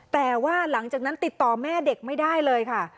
แต่ว่าหลังจากนั้นติดต่อแม่เด็กไม่ได้เลยค่ะ